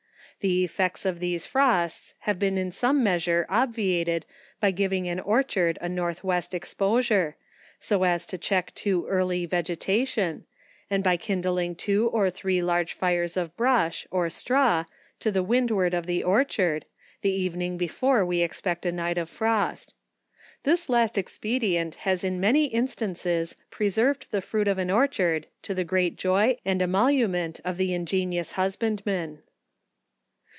The effects of these frosts have been in some measure obviated by giv ing an orchard a north west exposure, so as to check too early vegetation, and by kindling two or three large fires of brush or straw, to the windward of the orchard, the evening before we expect a night of frost. This last ex pedient has in many instances preserved the fruit of an orchard, to the great joy and emolument of the ingenious husbandman.